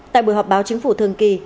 tại buổi họp báo chính phủ thường kỳ